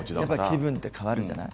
気分が変わるじゃない？